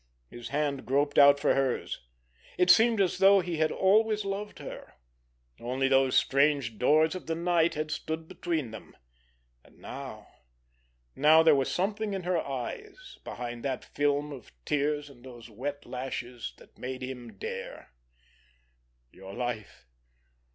His hand groped out for hers. It seemed as though he had always loved her—only those strange doors of the night had stood between. But now—now there was something in her eyes, behind that film of tears and those wet lashes, that made him dare. "Your life!